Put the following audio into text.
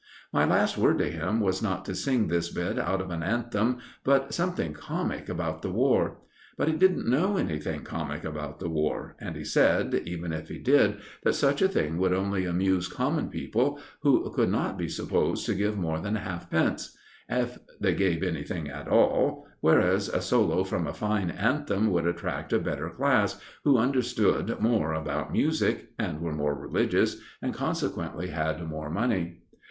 My last word to him was not to sing his bit out of an anthem, but something comic about the War. But he didn't know anything comic about the War, and he said, even if he did, that such a thing would only amuse common people, who could not be supposed to give more than halfpence, if they gave anything at all; whereas a solo from a fine anthem would attract a better class, who understood more about music, and were more religious, and consequently had more money.